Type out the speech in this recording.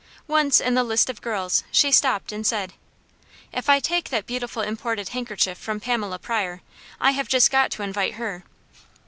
Once in the list of girls she stopped and said: "If I take that beautiful imported handkerchief from Pamela Pryor, I have just got to invite her."